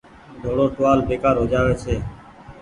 ۮوڙو ٽوهآل بيڪآر هو جآ وي ڇي۔